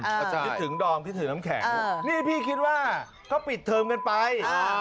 อ่าใช่คิดถึงดอมคิดถึงน้ำแขกอ่านี่พี่คิดว่าเขาปิดเทอมกันไปอ่า